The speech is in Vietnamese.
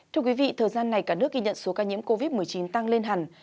thưa quý vị thời gian này cả nước ghi nhận số ca nhiễm covid một mươi chín tăng lên hẳn